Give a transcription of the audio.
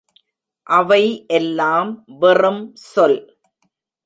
அவை எல்லாம் வெறும் சொல்.